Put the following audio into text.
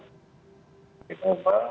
itu kita deskripsi melalui